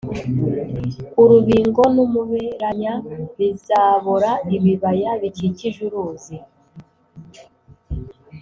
Urubingo n umuberanya bizabora Ibibaya bikikije uruzi